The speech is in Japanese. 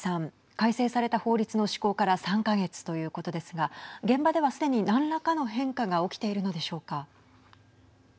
改正された法律の施行から３か月ということですが現場ではすでに何らかの変化が起きているのでしょうか。